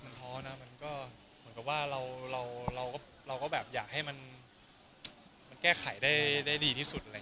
เหมือนกับว่าเราก็อยากให้มันแก้ไขได้ดีที่สุด